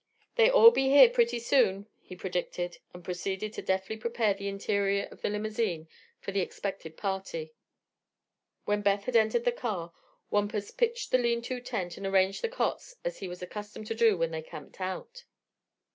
"They all be here pretty soon," he predicted, and proceeded to deftly prepare the interior of the limousine for the expected party. When Beth had entered the car Wampus pitched the lean to tent and arranged the cots as he was accustomed to do when they "camped out."